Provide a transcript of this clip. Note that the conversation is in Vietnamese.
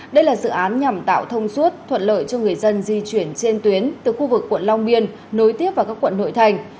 đây là dự án nhằm tạo thông suốt thuận lợi cho người dân di chuyển trên tuyến từ khu vực quận long biên nối tiếp vào các quận nội thành